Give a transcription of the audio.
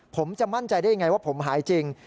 ผมจะมั่นใจได้ยังไงว่าผมหายจริง